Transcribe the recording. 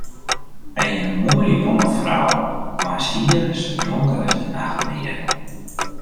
Hy hie in moaie, jonge frou waans hier sa donker as de nacht wie.